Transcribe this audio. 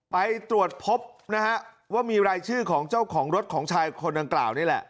ไปตรวจพบนะฮะว่ามีรายชื่อของเจ้าของรถของชายคนดังกล่าวนี่แหละ